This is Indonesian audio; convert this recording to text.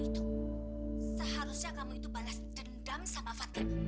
termasuk si wada